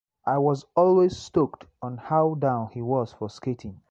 I was always stoked on how down he was for skating.